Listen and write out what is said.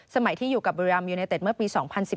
สมัยที่อยู่กับบริยามยูเนเจตเมื่อปี๒๐๑๒